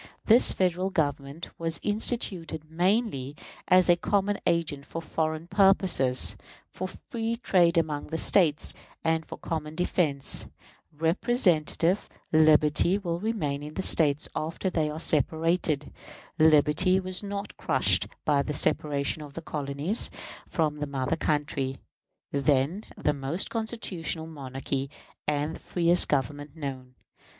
This Federal Government was instituted mainly as a common agent for foreign purposes, for free trade among the States, and for common defense. Representative liberty will remain in the States after they are separated. Liberty was not crushed by the separation of the colonies from the mother country, then the most constitutional monarchy and the freest Government known.